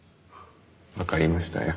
わかりましたよ。